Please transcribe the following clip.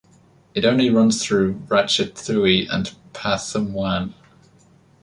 It only runs through Ratchathewi and Pathum Wan.